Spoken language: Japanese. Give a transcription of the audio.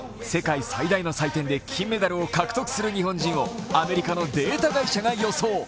世界最大の祭典で金メダルを獲得する日本人をアメリカのデータ会社が予想。